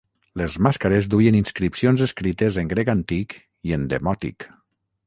Les màscares duien inscripcions escrites en grec antic i en demòtic.